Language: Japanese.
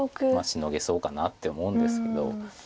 シノげそうかなって思うんですけど。